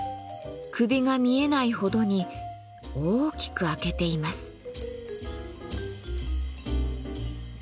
首が見えないほどに大きく開けています。